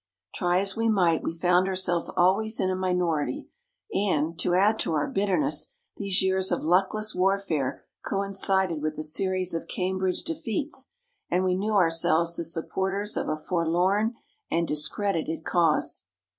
Try as we might, we found ourselves always in a minority, and, to add to our bitterness, these years of luckless warfare coincided with a series of Cambridge defeats, and we knew ourselves the supporters of a forlorn and discredited cause.